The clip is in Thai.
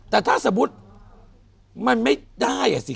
แต่ถ้าสมมุติมันไม่ได้อ่ะสิ